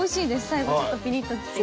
最後ちょっとピリッときて。